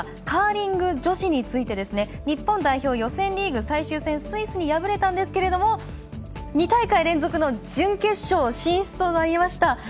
カーリング女子について日本代表、予選リーグ最終戦スイスに敗れたんですけれども２大会連続の準決勝進出となりました。